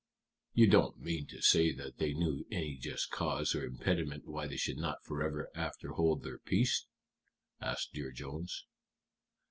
"You don't mean to say that they knew any just cause or impediment why they should not forever after hold their peace?" asked Dear Jones.